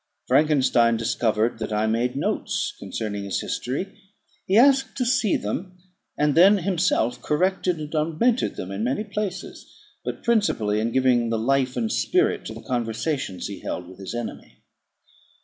Frankenstein discovered that I made notes concerning his history: he asked to see them, and then himself corrected and augmented them in many places; but principally in giving the life and spirit to the conversations he held with his enemy.